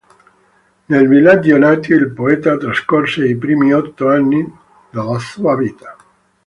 Nel villaggio natio il poeta trascorse i primi otto anni della sua vita.